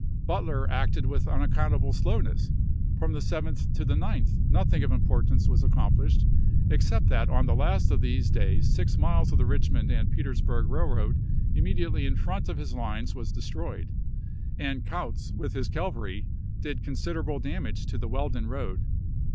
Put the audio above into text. Butler acted with unac countable slowness ; from the 7th to the 9th noth ing of importance was accomplished, except that on the last of these days six miles of the Richmond and Petersburg Railroad immediately in front of his lines was destroyed, and Kautz with his cav alry did considerable damage to the Weldon road.